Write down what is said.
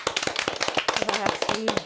すばらしい。